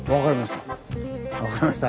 分かりました。